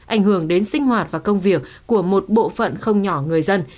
ảnh hưởng đến sinh hoạt và công việc của một bộ phận không nhỏ người dân